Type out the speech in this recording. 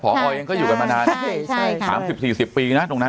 ผออเองก็อยู่กันมานานใช่ใช่สามสิบสี่สิบปีนะตรงนั้น